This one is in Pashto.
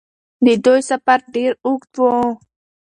د دوی سفر ډېر اوږد و.